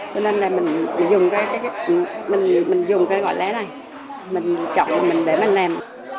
cho nên là mình dùng cái gọi lé này mình trọng mình để mình làm